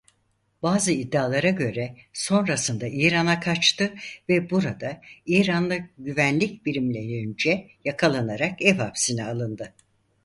Bazı iddialara göre sonrasında İran'a kaçtı ve burada İranlı güvenlik birimlerince yakalanarak ev hapsine alındı.